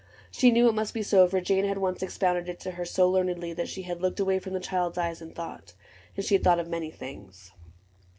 She knew it must be so, for Jane had once Expounded it to her so learnedly That she had looked away from the child's eyes And thought ; and she had thought of many things.